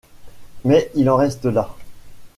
Mais il en reste là.